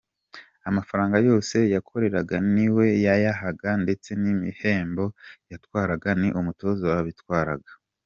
Amafaranga yose yakoreraga ni we yayahaga, ndetse n’ibihembo yatwaraga ni umutoza wabitwaraga.